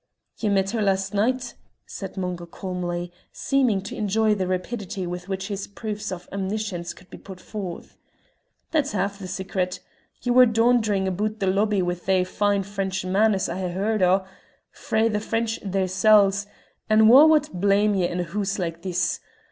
"Ye met her last night," said Mungo, calmly, seeming to enjoy the rapidity with which his proofs of omniscience could be put forth. "That's half the secret. Ye were daunderin' aboot the lobby wi' thae fine French manners I hae heard o' frae the French theirsels and wha' wad blame ye in a hoose like this?